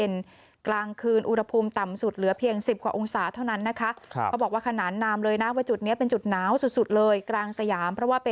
นอกจากนี้นะท่องเที่ยวบางส่วนค่ะเขาก็นำเต้นไปเหมือนกันแหละ